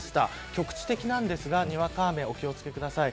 局地的なんですがにわか雨、お気を付けください。